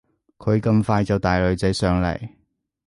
佢咁快就帶女仔上嚟